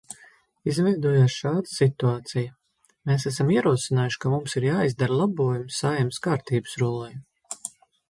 Izveidojās šāda situācija: mēs esam ierosinājuši, ka mums ir jāizdara labojumi Saeimas kārtības rullī.